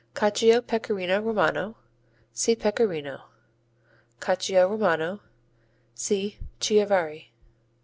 Cacio Pecorino Romano see Pecorino. Cacio Romano see Chiavari.